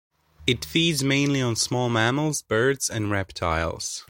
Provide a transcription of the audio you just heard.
It feeds mainly on small mammals, birds, and reptiles.